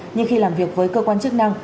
nhưng khi làm việc với cơ quan chức năng